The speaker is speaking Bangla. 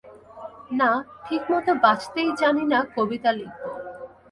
না ঠিক মতো বাঁচতেই জানি না, কবিতা লিখব।